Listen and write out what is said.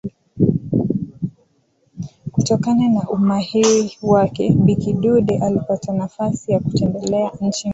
Kutokana na umahiri wake bi kidude alipata nafasi ya kutembelea nchi mbalimbali